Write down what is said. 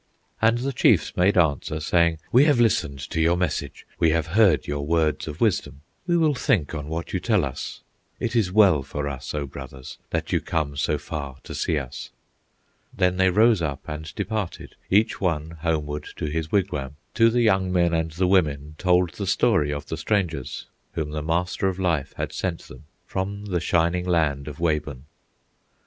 And the chiefs made answer, saying: "We have listened to your message, We have heard your words of wisdom, We will think on what you tell us. It is well for us, O brothers, That you come so far to see us!" Then they rose up and departed Each one homeward to his wigwam, To the young men and the women Told the story of the strangers Whom the Master of Life had sent them From the shining land of Wabun.